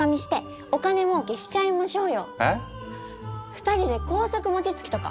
２人で高速もちつきとか！